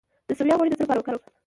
د سویا غوړي د څه لپاره وکاروم؟